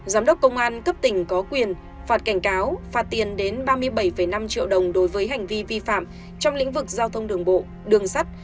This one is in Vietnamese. giám đốc công an cấp tỉnh có quyền phạt cảnh cáo phạt tiền đến ba mươi bảy năm triệu đồng đối với hành vi vi phạm trong lĩnh vực giao thông đường bộ đường sắt